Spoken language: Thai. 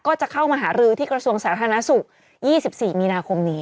ก็จะเข้ามาหารือที่กระทรวงสาธารณสุข๒๔มีนาคมนี้